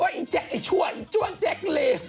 อ๊ะแจ๊คช่วงของจั๊ก